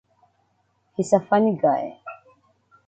He’s a funny guy.